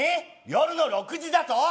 夜の６時だと？